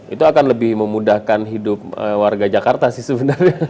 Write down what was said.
itu akan lebih memudahkan hidup warga jakarta sih sebenarnya